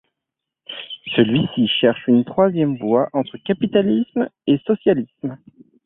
Celui-ci cherche une troisième voie entre capitalisme et socialisme.